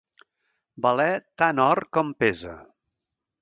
Valer tant or com pesa.